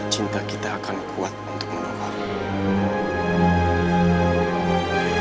cinta kita akan kuat untuk menumpari